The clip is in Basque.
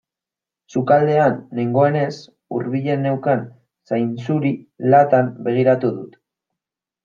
Sukaldean nengoenez hurbilen neukan zainzuri latan begiratu dut.